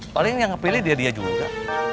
paling yang pilih dia dia juga